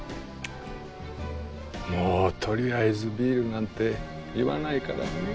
もう「とりあえずビール」なんて言わないからね。